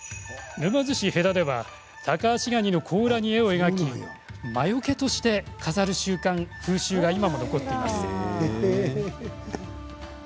沼津市戸田ではタカアシガニの甲羅に絵を描き魔よけとして飾る風習が今も残っています。